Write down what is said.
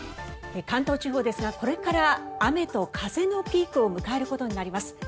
関東地方ですがこれから雨と風のピークを迎えることになります。